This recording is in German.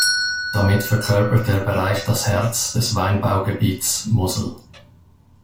Damit verkörpert der Bereich das Herz des Weinbaugebiets Mosel.